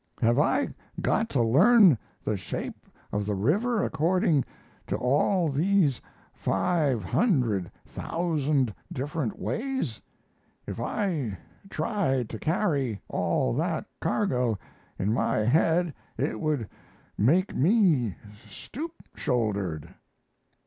Have I got to learn the shape of the river according to all these five hundred thousand different ways? If I tried to carry all that cargo in my head it would make me stoop shouldered."